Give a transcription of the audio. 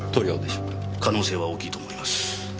可能性は大きいと思います。